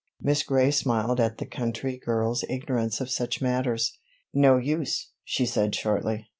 Miss Gray smiled at the country girl's ignorance of such matters. "No use," she said shortly.